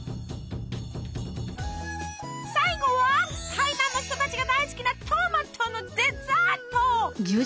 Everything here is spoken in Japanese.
最後は台南の人たちが大好きなトマトのデザート。